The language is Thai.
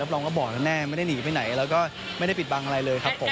รองก็บอกแล้วแน่ไม่ได้หนีไปไหนแล้วก็ไม่ได้ปิดบังอะไรเลยครับผม